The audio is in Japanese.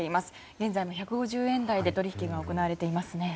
現在も１５０円台で取引が行われています。